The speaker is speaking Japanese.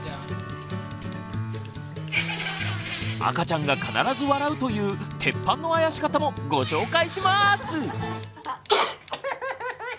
赤ちゃんが必ず笑うという鉄板のあやし方もご紹介します！